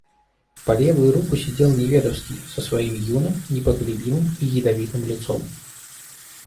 По левую руку сидел Неведовский со своим юным, непоколебимым и ядовитым лицом.